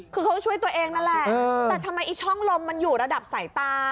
คือเขาช่วยตัวเองนั่นแหละแต่ทำไมไอ้ช่องลมมันอยู่ระดับสายตา